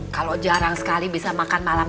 kalau jarang sekali bisa makan malam